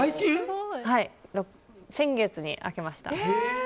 先月に開けました。